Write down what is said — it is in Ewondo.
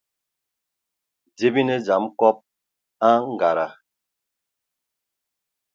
Dze bi ne dzam kɔb a angada.